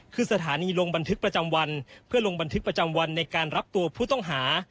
คือสถานีลงบันทึกประจำวันเพื่อลงบันทึกประจำวันในการรับตัวผู้ต้องหา